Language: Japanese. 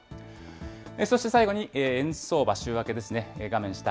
そして最後に円相場、週明けですね。